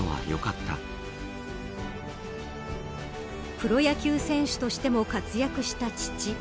プロ野球選手としても活躍した父。